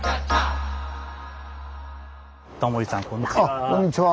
タモリさんこんにちは。